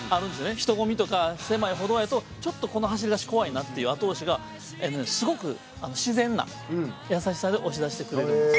人混みとか、狭い歩道やとこの走り出し、怖いなっていう後押しがすごく自然な優しさで押し出してくれるんです。